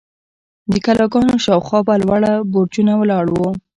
د کلاګانو شاوخوا به لوړ برجونه ولاړ وو.